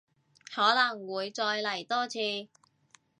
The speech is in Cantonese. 可能會再嚟多次